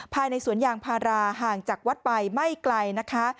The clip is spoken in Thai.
ภายในสวนยางพาราห่างจากวัดไปไม่ไกลนะคะ